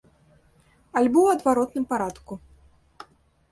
Альбо ў адваротным парадку.